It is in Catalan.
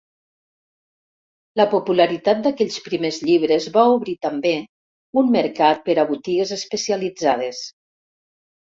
La popularitat d'aquells primers llibres va obrir també un mercat per a botigues especialitzades.